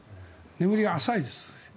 眠りは浅いです。